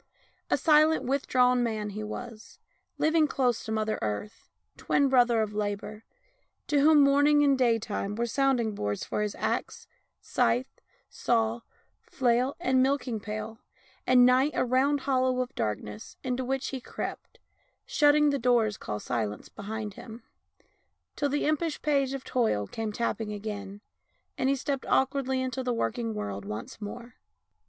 A silent, withdrawn man he was, living close to Mother Earth, twin brother of Labour, to whom Morning and Daytime were sound ing boards for his axe, scythe, saw, flail, and milking pail, and Night a round hollow of darkness into which he crept, shutting the doors called Silence behind him, till the impish page of Toil came tapping again, and he stepped awkwardly into the working world once more.